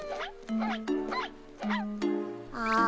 ああ。